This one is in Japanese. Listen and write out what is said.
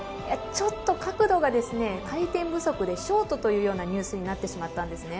ちょっと角度が回転不足でショートというような入水になってしまったんですね。